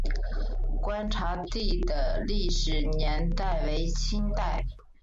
观察第的历史年代为清代。